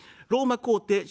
ローマ皇帝